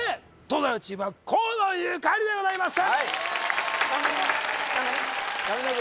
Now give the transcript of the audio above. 東大王チームは河野ゆかりでございます頑張ります